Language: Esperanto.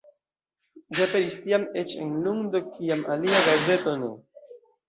Ĝi aperis tiam eĉ en lundo, kiam alia gazeto ne.